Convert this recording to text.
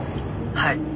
はい。